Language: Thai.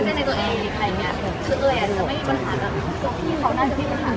เลยจะไม่ค่อยแท้อะไร